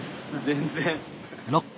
全然。